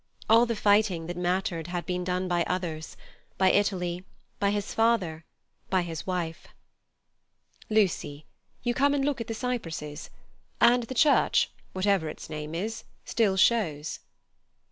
All the fighting that mattered had been done by others—by Italy, by his father, by his wife. "Lucy, you come and look at the cypresses; and the church, whatever its name is, still shows."